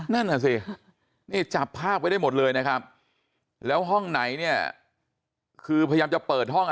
นั่นน่ะสินี่จับภาพไว้ได้หมดเลยนะครับแล้วห้องไหนเนี่ยคือพยายามจะเปิดห้อง